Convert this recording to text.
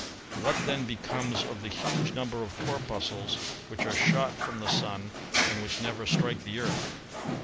What, then, becomes of the huge number of corpuscles which are shot from the Sun and which never strike the Earth?